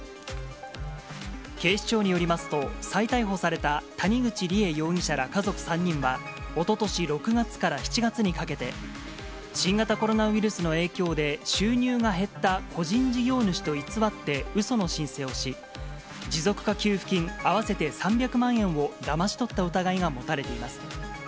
警視庁によりますと、再逮捕された谷口梨恵容疑者ら家族３人は、おととし６月から７月にかけて、新型コロナウイルスの影響で収入が減った個人事業主と偽ってうその申請をし、持続化給付金合わせて３００万円をだまし取った疑いが持たれています。